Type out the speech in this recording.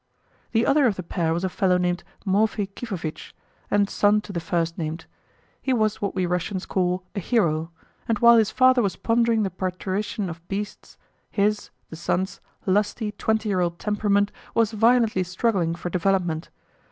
The other of the pair was a fellow named Mofi Kifovitch, and son to the first named. He was what we Russians call a "hero," and while his father was pondering the parturition of beasts, his, the son's, lusty, twenty year old temperament was violently struggling for development.